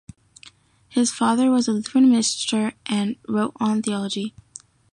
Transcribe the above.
His father was a Lutheran minister and wrote on theology.